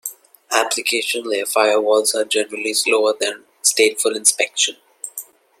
Application layer firewalls are generally slower than stateful inspection.